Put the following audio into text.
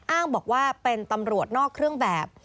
อ้างบอกว่าเป็นตำรวจนอกเครื่องแบบ